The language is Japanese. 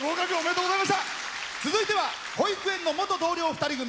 続いては保育園の元同僚２人組。